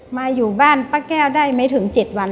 มาอยู่บ้านป้าแก้วได้ไม่ถึง๗วันเลยพี่แจ๊ค